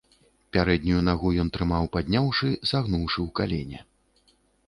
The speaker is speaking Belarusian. Пярэднюю нагу ён трымаў падняўшы, сагнуўшы ў калене.